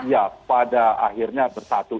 iya pada akhirnya bersatu